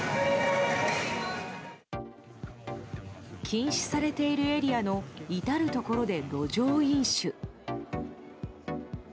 禁止されているエリアの至るところで路上飲酒。